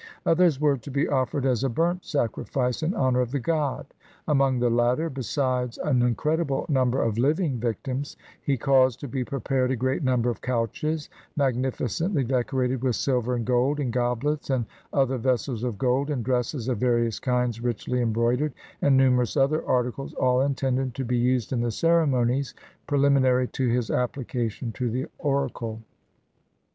Others were to be offered as a burnt sacrifice in honor of the god. Among the latter, besides an incredible number of Uving victims, he caused to be prepared a great number of couches, magnificently decorated with silver and gold, and goblets and other vessels of gold, and dresses of various kinds richly em broidered, and numerous other articles, all intended to be used in the ceremonies preliminary to his application to the oracle.